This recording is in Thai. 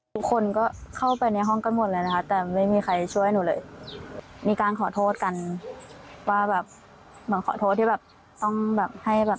ทุกคนก็เข้าไปในห้องกันหมดเลยนะครับ